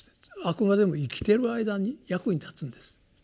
あくまでも生きてる間に役に立つんです。